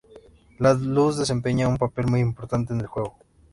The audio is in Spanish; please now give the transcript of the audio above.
La luz desempeña un papel muy importante en el juego.